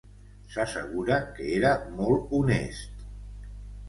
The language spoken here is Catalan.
S'assegura que era molt honest.